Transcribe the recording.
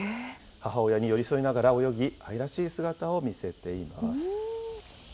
母親に寄り添いながら泳ぎ、愛らしい姿を見せています。